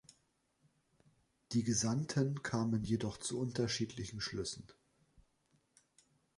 Die Gesandten kamen jedoch zu unterschiedlichen Schlüssen.